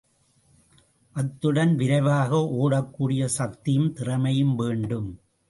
அத்துடன் விரைவாக ஒடக்கூடிய சக்தியும், திறமையும் வேண்டும்.